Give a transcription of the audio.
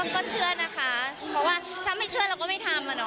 ก็เชื่อนะคะเพราะว่าถ้าไม่เชื่อเราก็ไม่ทำ